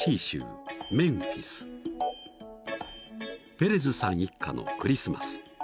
［ペレズさん一家のクリスマス］